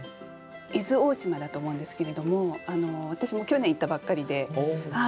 伊豆大島だと思うんですけれども私も去年行ったばっかりで。